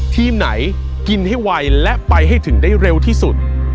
ทีมไหนกินให้ไวและไปให้ถึงได้เร็วที่สุด